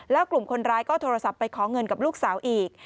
แล้วกลุ่มคนร้ายก็โทรศัพท์ไปขอเงินกับลูกสาวอีก